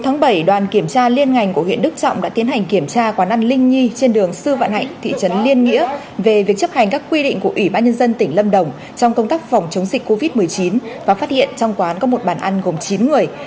ngày bảy đoàn kiểm tra liên ngành của huyện đức trọng đã tiến hành kiểm tra quán ăn linh nhi trên đường sư vạn hạnh thị trấn liên nghĩa về việc chấp hành các quy định của ủy ban nhân dân tỉnh lâm đồng trong công tác phòng chống dịch covid một mươi chín và phát hiện trong quán có một bàn ăn gồm chín người